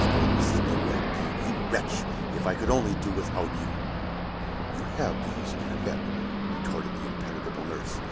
groaned Mrs. Milroy. "You wretch, if I could only do without you!" "You have the use of your head," retorted the impenetrable nurse.